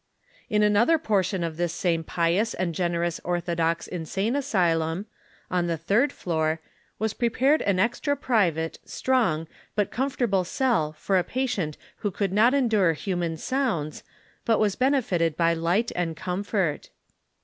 In another portion of this same pious and generous orthodox insane asylum, on the third floor, was prepared an exti a private, strong, but comfortable cell for a patient who could not endOre human sounds, but was benefited by light and comfort.